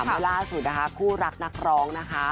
มาร่าสุดนะคะผู้รักนักร้องนะคะ